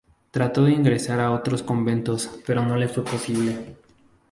Trato de ingresar a otros conventos, pero no le fue posible.